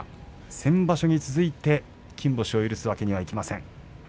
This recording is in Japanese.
先場所に続いて金星を許すわけにはいきません。